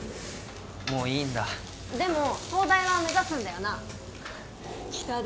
もういいんだでも東大は目指すんだよな北田